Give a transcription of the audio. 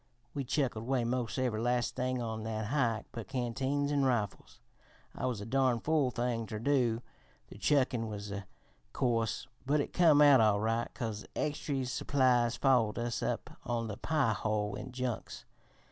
We chucked away mos' every last thing on that hike but canteens an' rifles. It was a darn fool thing ter do the chuckin' was, o' course but it come out all right, 'cause extree supplies follered us up on the Pie ho in junks.